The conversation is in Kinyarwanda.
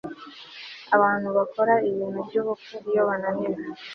Abantu bakora ibintu byubupfu iyo bananiwe